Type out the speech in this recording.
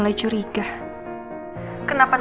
lain jam apa buffalo